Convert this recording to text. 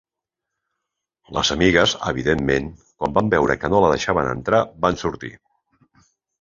Les amigues, evidentment, quan van veure que no la deixaven entrar van sortir.